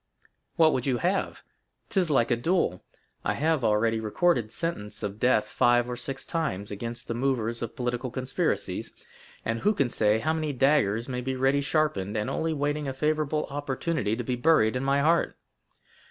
"What would you have? 'Tis like a duel. I have already recorded sentence of death, five or six times, against the movers of political conspiracies, and who can say how many daggers may be ready sharpened, and only waiting a favorable opportunity to be buried in my heart?"